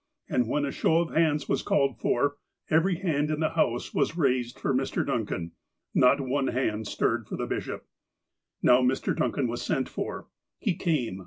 And when a show of hands was called for, every hand in the house was raised for Mr. DuDcan. Not one hand stirred for the bishop. Now Mr. Duncan was sent for. He came.